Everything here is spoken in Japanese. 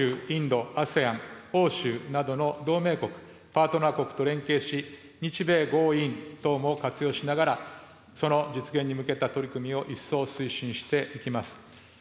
インド、ＡＳＥＡＮ、欧州などの同盟国、パートナー国と連携し、日米豪印とも活用しながら、その実現に向けた取り組みを一層推進していきます。